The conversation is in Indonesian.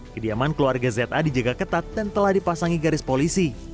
kediaman keluarga za dijaga ketat dan telah dipasangi garis polisi